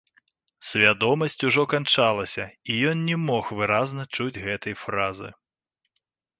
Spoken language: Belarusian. Свядомасць ужо канчалася, і ён не мог выразна чуць гэтай фразы.